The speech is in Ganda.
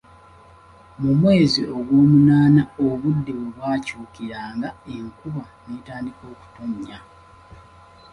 Mu mwezi ogw'omunaana obudde we bwakyukiranga enkuba ne tandika okutonnya.